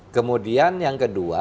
kemudian yang kedua